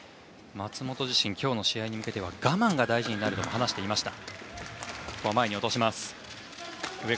松本自身今日の試合に向けては我慢が大事になると話していました。